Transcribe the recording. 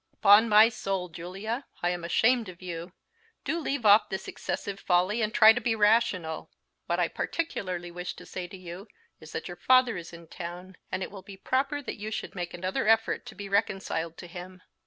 "Upon my soul, Julia, I am ashamed of you! Do leave off this excessive folly, and try to be rational. What I particularly wished to say to you is that your father is in town, and it will be proper that you should make another effort to be reconciled to him."